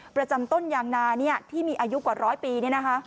ประจำต้นยางนาเนี้ยที่มีอายุกว่าร้อยปีเนี้ยนะคะ